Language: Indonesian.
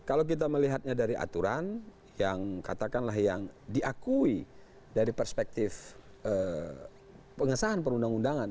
kalau kita melihatnya dari aturan yang katakanlah yang diakui dari perspektif pengesahan perundang undangan